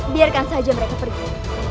biarkan saja mereka pergi